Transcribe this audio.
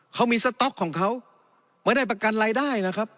เขามีสต๊อกของเขาไม่ได้ประกันรายได้นะครับ